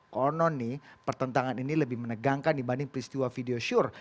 konon nih pertentangan ini lebih menegangkan dibanding peristiwa video syur